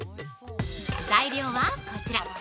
材料はこちら。